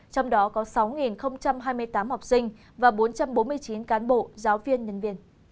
trong đó có sáu hai mươi tám học sinh và bốn trăm bốn mươi chín cán bộ giáo viên nhân viên